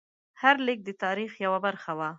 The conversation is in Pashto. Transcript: هر لیک د تاریخ یوه برخه وه.